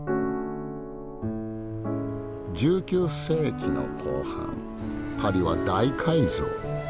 １９世紀の後半パリは大改造。